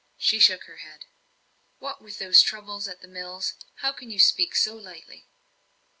She shook her head. "What, with those troubles at the mills? How can you speak so lightly?"